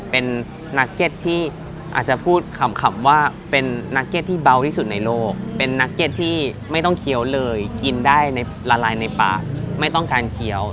เป็นนักเก็ตที่อาจจะพูดขำว่าเป็นนักเก็ตที่เบาที่สุดในโลกเป็นนักเก็ตที่ไม่ต้องเคี้ยวเลยกินได้ในละลายในปากไม่ต้องการเคี้ยว